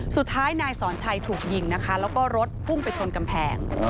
สุดท้ายนายสอนชัยถูกยิงนะคะแล้วก็รถพุ่งไปชนกำแพง